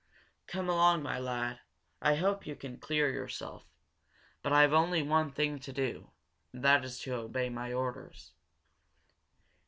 "Come along, my lad. I hope you can clear yourself. But I've only one thing to do and that is to obey my orders."